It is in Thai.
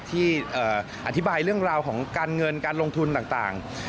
ที่อธิบายเรื่องราวของการเงินการลงทุนต่าง